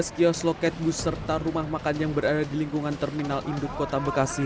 tiga belas kios loket bus serta rumah makan yang berada di lingkungan terminal induk kota bekasi